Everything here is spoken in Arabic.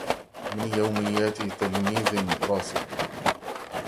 من يوميات تلميذ راسب